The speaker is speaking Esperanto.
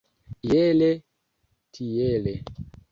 Iele tiele.